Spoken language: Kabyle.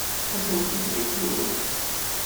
Ad sen-t-id-heggint?